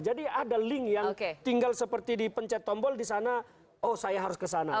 jadi ada link yang tinggal seperti dipencet tombol di sana oh saya harus ke sana